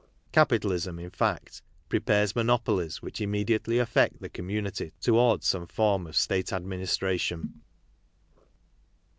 Capitalism, in fact, prepares mono polies which immediately affect the community towards some form of state administration.